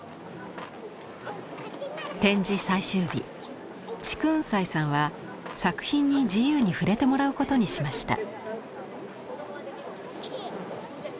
展示最終日竹雲斎さんは作品に自由に触れてもらうことにしました。